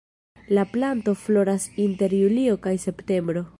La planto floras inter julio kaj septembro.